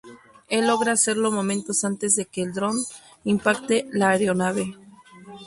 Él logra hacerlo momentos antes de que el dron impacte la aeronave.